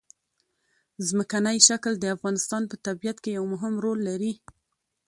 ځمکنی شکل د افغانستان په طبیعت کې یو مهم رول لري.